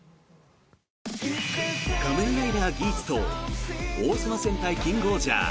「仮面ライダーギーツ」と「王様戦隊キングオージャー」